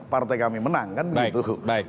partai kami menang kan begitu